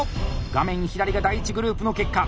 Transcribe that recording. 画面左が第１グループの結果。